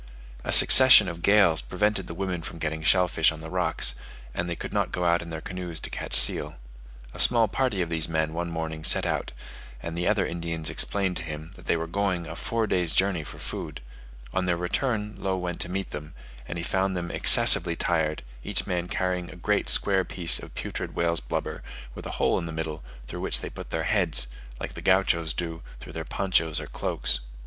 A succession of gales prevented the women from getting shell fish on the rocks, and they could not go out in their canoes to catch seal. A small party of these men one morning set out, and the other Indians explained to him, that they were going a four days' journey for food: on their return, Low went to meet them, and he found them excessively tired, each man carrying a great square piece of putrid whale's blubber with a hole in the middle, through which they put their heads, like the Gauchos do through their ponchos or cloaks.